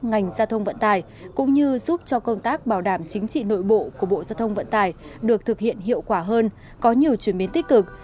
ngành giao thông vận tải cũng như giúp cho công tác bảo đảm chính trị nội bộ của bộ giao thông vận tải được thực hiện hiệu quả hơn có nhiều chuyển biến tích cực